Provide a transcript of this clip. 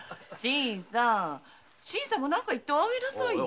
新さんも何か言っておあげなさいよ。